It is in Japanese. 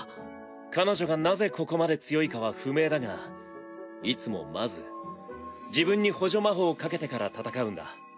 彼女がなぜここまで強いかは不明だがいつもまず自分に補助魔法をかけてから戦うんだ。